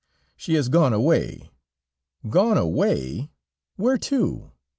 "She has gone away." "Gone away? Where to?"